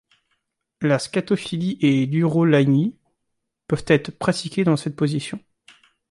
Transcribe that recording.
La scatophilie et l'urolagnie peuvent être pratiquées dans cette position.